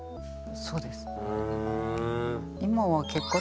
そうです。